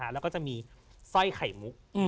แล้วก็จะมีแส้ไข่มุก